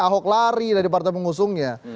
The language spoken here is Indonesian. ahok lari dari partai pengusungnya